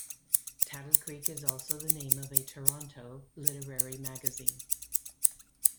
"Taddle Creek" is also the name of a Toronto literary magazine.